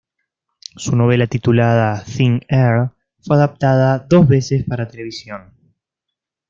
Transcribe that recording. Su novela titulada "Thin Air" fue adaptada dos veces para televisión.